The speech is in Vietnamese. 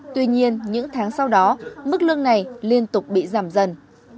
tuy nhiên những tháng sau đó mức lương này liên tục bị giảm dần